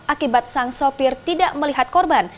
akibat sang sopir tidak melihat korban